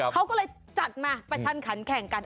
เขาก็เลยจัดมาประชันขันแข่งกัน